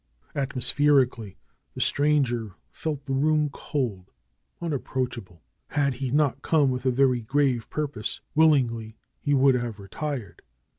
Atmospherically, the stranger felt the room cold, un approachable. Had he not come with a very grave pur pose, willingly he would have retired.